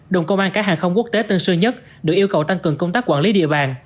đồng công an cả hàng không quốc tế tân sơn nhất được yêu cầu tăng cường công tác quản lý địa bàn